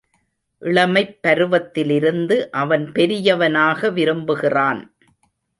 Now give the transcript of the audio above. இளமைப் பருவத்திலிருந்து அவன் பெரியவனாக விரும்புகிறான்.